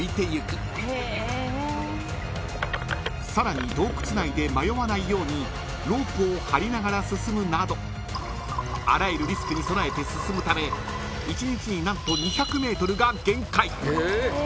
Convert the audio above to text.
［さらに洞窟内で迷わないようにロープを張りながら進むなどあらゆるリスクに備えて進むため一日に何と２００ｍが限界］